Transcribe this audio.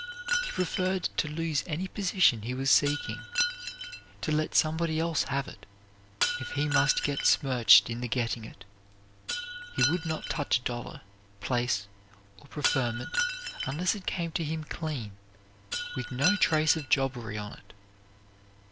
He preferred to lose any position he was seeking, to let somebody else have it, if he must get smirched in the getting it. He would not touch a dollar, place, or preferment unless it came to him clean, with no trace of jobbery on it.